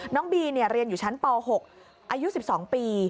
น้องบีเรียนอยู่ชั้นป๖อายุ๑๒ปี